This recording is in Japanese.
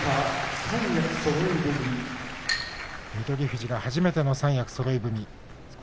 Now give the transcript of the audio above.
富士が初めての三役そろい踏みです。